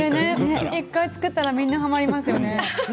１回作ったらみんなはまりますね。